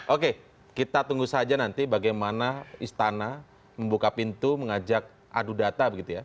oke kita tunggu saja nanti bagaimana istana membuka pintu mengajak adu data begitu ya